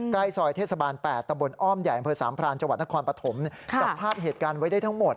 ใกล้ซอยเทศบาล๘ตะบลอ้อมแห่งเผอร์สามพรานจนครปฐมจับภาพเหตุการณ์ไว้ได้ทั้งหมด